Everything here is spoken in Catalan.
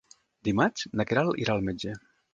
Dimarts na Queralt irà al metge.